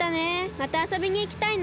またあそびにいきたいな。